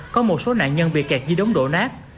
có một số nạn nhân bị kẹt dưới đống đổ nát